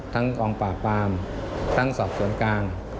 ทั้งกองปากปามทั้งสอบส่วนกลาง